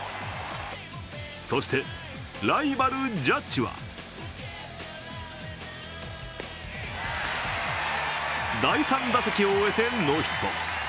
そして、ライバル・ジャッジは第３打席を終えてノーヒット。